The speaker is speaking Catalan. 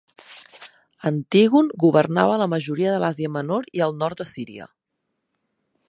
Antígon governava la majoria de l'Àsia Menor i el nord de Síria.